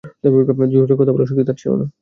জোরে কথা বলার শক্তি তার ছিল না।